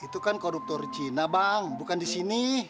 itu kan koruptor cina bang bukan di sini